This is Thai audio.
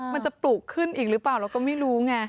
ปลูกขึ้นอีกหรือเปล่าเราก็ไม่รู้ไง